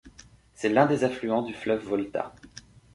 C'est l'un des affluents du fleuve Volta.